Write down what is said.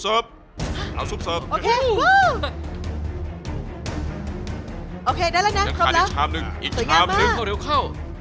โอเคได้แล้วนะ